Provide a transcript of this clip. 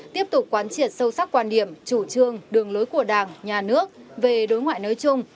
tiếp tục quán triệt sâu sắc quan điểm chủ trương đường lối của đảng nhà nước về đối ngoại nói chung